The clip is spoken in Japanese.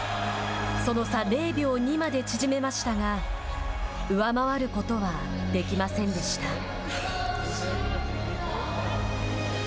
その差、０秒２まで縮めましたが上回ることはできませんでした。